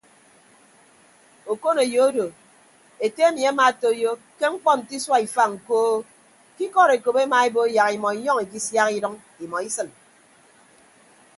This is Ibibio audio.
Okoneyo odo ete emi amaatoiyo ke mkpọ nte isua ifañ koo ke ikọd ekop emaebo yak imọ inyọñ ikisiak idʌñ imọ isịn.